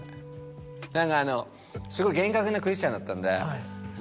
何かあのすごい厳格なクリスチャンだったんで。